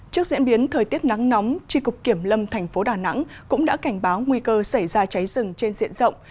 trước diễn biến thời tiết nắng nóng tri cục kiểm lâm thành phố đà nẵng cũng đã cảnh báo nguy cơ xảy ra cháy rừng trên diện rộng